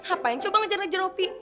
apa yang coba ngejar ngejar opi